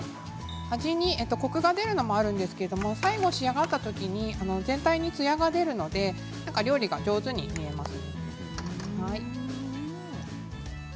味にコクが出るのもそうなんですが最後仕上がった時に全体にツヤが出るので料理が上手に見えます。